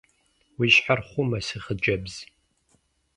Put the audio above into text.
Уи щхьэр хъумэ, си хъыджэбз.